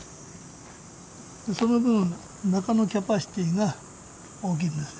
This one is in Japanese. その分中のキャパシティーが大きいんですよ。